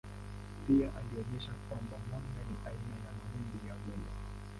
Pia alionyesha kwamba mwanga ni aina ya mawimbi ya umeme.